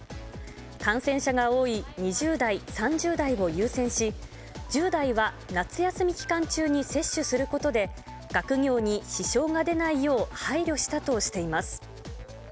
感染者が多い２０代、３０代を優先し、１０代は夏休み期間中に接種することで、学業に支障が出ないよう配慮したとしています。